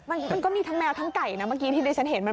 มันก็มีทั้งแมวทั้งไก่นะเมื่อกี้ที่ดิฉันเห็นมัน